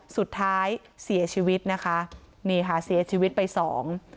สุดท้ายเสียชีวิตนะคะนี่ค่ะเสียชีวิตไปสอง